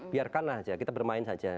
biarkan aja kita bermain saja